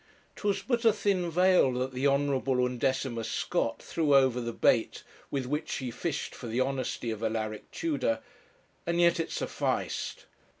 'Twas but a thin veil that the Hon. Undecimus Scott threw over the bait with which he fished for the honesty of Alaric Tudor, and yet it sufficed.